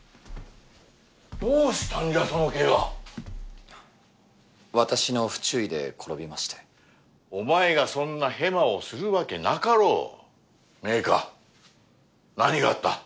どうしたんじゃそのけが私の不注意で転びましてお前がそんなヘマをするわ明花何があった？